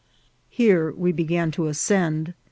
Here we began to as cend.